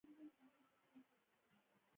د ویښتانو ښه ساتنه ښکلا ډېروي.